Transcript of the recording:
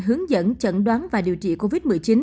hướng dẫn chẩn đoán và điều trị covid một mươi chín